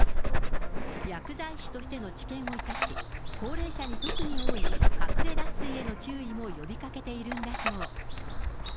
薬剤師としての知見を生かし、高齢者に特に多い、隠れ脱水への注意も呼びかけているんだそう。